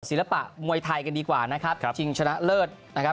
ศิลปะมวยไทยกันดีกว่านะครับชิงชนะเลิศนะครับ